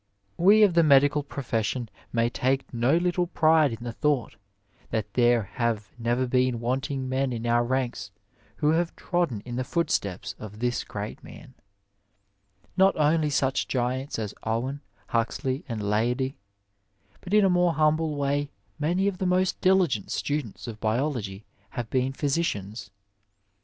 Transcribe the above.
'' We of the medical profession may take no little pride in the thought that there have never been wanting men in our ranks who have trodden in the footsteps of this great man ; not only such giants as Owen, Huxley, and Leidy, but in a more humble way many of the most diligent students of biology have been physicians.